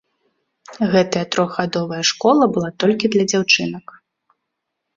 Гэтая трохгадовая школа была толькі для дзяўчынак.